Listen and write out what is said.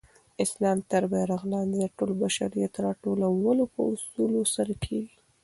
د اسلام تر بیرغ لاندي د ټول بشریت راټولول په اصولو سره کيږي.